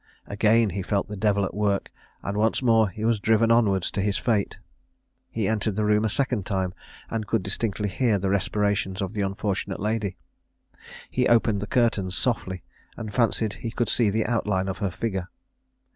Again he felt the devil at work, and once more he was driven onwards to his fate. He entered the room a second time, and could distinctly hear the respirations of the unfortunate lady; he opened the curtains softly, and fancied he could see the outline of her figure.